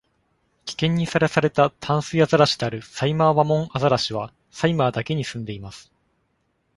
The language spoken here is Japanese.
危険にさらされた淡水アザラシであるサイマーワモンアザラシは、サイマーだけに住んでいます。